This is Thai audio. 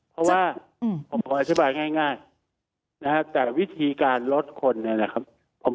เพราะว่าผมอธิบายง่ายแต่วิธีการลดคน